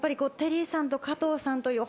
テリーさんと加藤さんという